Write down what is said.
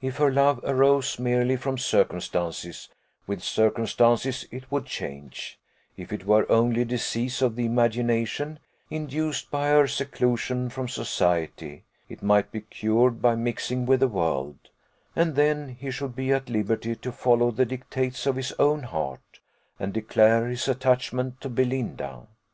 If her love arose merely from circumstances, with circumstances it would change; if it were only a disease of the imagination, induced by her seclusion from society, it might be cured by mixing with the world; and then he should be at liberty to follow the dictates of his own heart, and declare his attachment to Belinda.